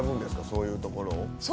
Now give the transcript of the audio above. そういうところを。